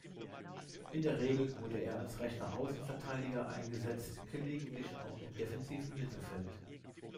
In der Regel wurde er als rechter Außenverteidiger eingesetzt, gelegentlich auch im defensiven Mittelfeld.